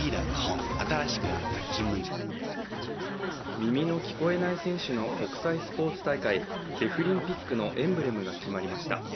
耳の聞こえない選手の国際スポーツ大会デフリンピックのエンブレムが決まりました。